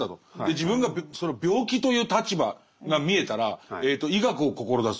自分が病気という立場が見えたら医学を志す。